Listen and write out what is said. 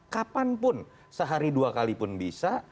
kapanpun sehari dua kali pun bisa